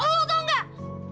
lo tau gak